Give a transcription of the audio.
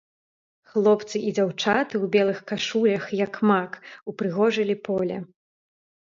Хлопцы і дзяўчаты ў белых кашулях, як мак, упрыгожылі поле.